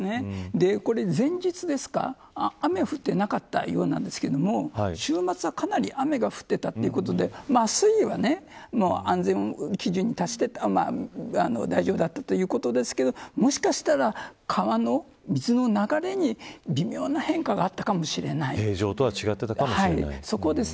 これ、前日ですか雨は降っていなかったようなんですが週末はかなり雨が降っていたということで水位は安全基準に達していたということですけどもしかしたら川の水の流れに微妙な変化があったかもしれない。